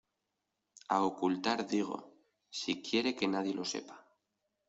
a ocultar digo. si quiere que nadie lo sepa .